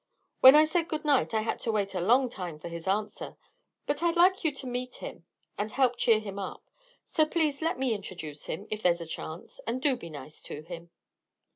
When I said 'Good night' I had to wait a long time for his answer. But I'd like you to meet him and help cheer him up; so please let me introduce him, if there's a chance, and do be nice to him."